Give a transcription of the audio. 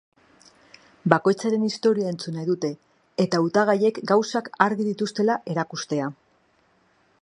Bakoitzaren historia entzun nahi dute, eta hautagaiek gauzak argi dituztela erakustea.